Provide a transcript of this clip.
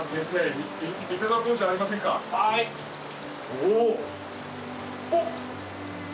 おお！おっ！